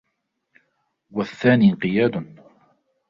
وَالثَّانِي انْقِيَادٌ